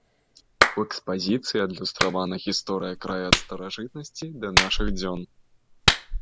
У экспазіцыі адлюстравана гісторыя краю ад старажытнасці да нашых дзён.